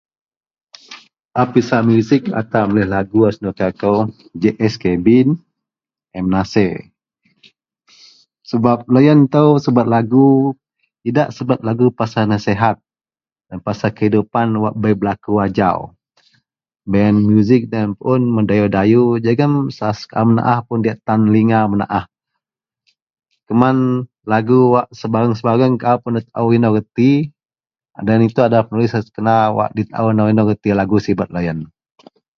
A pisak musik antara wak senuka kou JS Kevin, M. Nasir sebab loyen tou subet lagu idak subet lagu pasel nasihat, pasel kehidupan wak bei belaku ajau, bah yen musik deloyen puun mendayu-dayu jegem [unintelligible] kaau menaah pun diyak tan linga menaah. Keman lagu wak sebareng-sebareng kaau pun nda taou inou reti, deloyen adalah penulis wak kena di taou nou inou reti lagu sibet loyen .